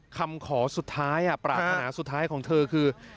คำขอสุดท้ายปรารถนาสุดท้ายของเธอคือ